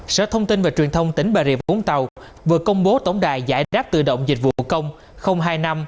sở thông tin và truyền thông tỉnh bà rịa vũng tàu vừa công bố tổng đài giải đáp tự động dịch vụ công